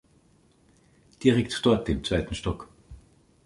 Direkt dort im zweiten Stock.